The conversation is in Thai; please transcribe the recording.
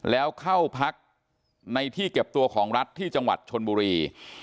แล้วเข้าพักในที่เก็บตัวของรัฐที่จังหวัดชนบุรี